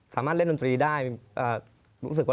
สนุนโดยอีซุสุข